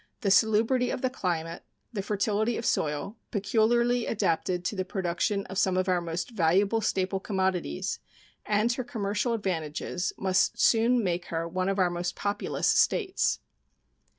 The salubrity of climate, the fertility of soil, peculiarly adapted to the production of some of our most valuable staple commodities, and her commercial advantages must soon make her one of our most populous States.